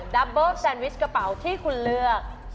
ับเบิ้มแซนวิชกระเป๋าที่คุณเลือก